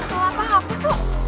soal apa apa itu